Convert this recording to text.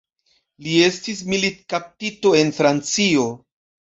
Li estis militkaptito en Francio.